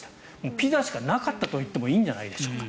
ピザしかなかったといってもいいんじゃないでしょうか。